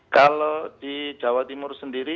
kalau di jawa timur sendiri